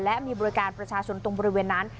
และมีบริการประชาชนตรงบริเวณนั้น